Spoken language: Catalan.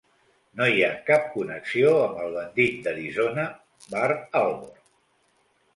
No hi ha cap connexió amb el bandit d'Arizona Burt Alvord.